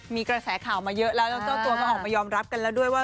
มีกระแสข่าวมาเยอะแล้วแล้วเจ้าตัวก็ออกมายอมรับกันแล้วด้วยว่า